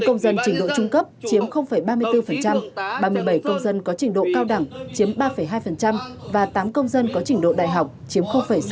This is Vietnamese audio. công dân trình độ trung cấp chiếm ba mươi bốn ba mươi bảy công dân có trình độ cao đẳng chiếm ba hai và tám công dân có trình độ đại học chiếm sáu mươi bảy